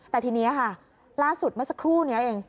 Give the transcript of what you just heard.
แต่ทีนี้ค่ะล่าสุดเมื่อสักครู่นี้เอง